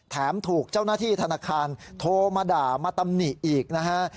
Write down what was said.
ถูกเจ้าหน้าที่ธนาคารโทรมาด่ามาตำหนิอีกนะฮะ